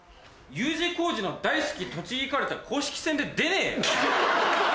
『Ｕ字工事の大好きとちぎかるた』公式戦で出ねえよ。